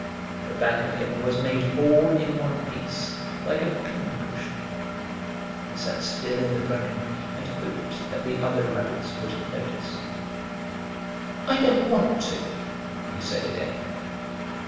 The back of him was made all in one piece, like a pincushion. He sat still in the bracken, and hoped that the other rabbits wouldn't notice. "I don't want to!" he said again.